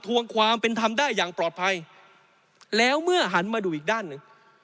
วงความเป็นธรรมได้อย่างปลอดภัยแล้วเมื่อหันมาดูอีกด้านหนึ่ง